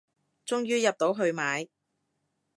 終於入到去買